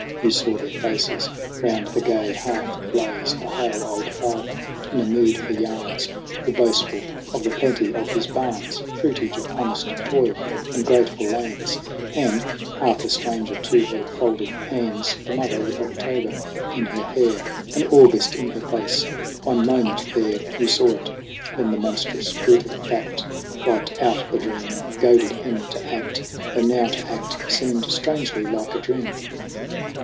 Hugh saw their faces round the gay hearth blaze : The hale old father in a mood for yarns Or boastful of the plenty of his barns, Fruitage of honest toil and grateful lands ; And, half a stranger to her folded hands, The mother with October in her hair And August in her face. One moment there Hugh saw it. Then the monstrous brutal fact Wiped out the dream and goaded him to act, Though now to act seemed strangely like a dream.